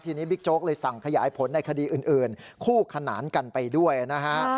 ทีนี้บิ๊กโจ๊กเลยสั่งขยายผลในคดีอื่นคู่ขนานกันไปด้วยนะฮะ